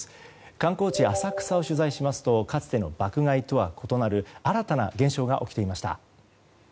観光地・浅草を取材しますとかつての爆買いとは異なる新たな現象が起きていました。